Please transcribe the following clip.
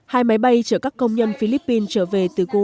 hai máy bay chở các công nhân philippines trở về từ cuba